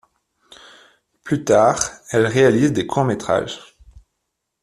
Plus tard, elle réalise des courts métrages.